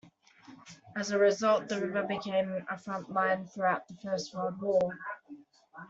As a result, the river became a front line throughout the First World War.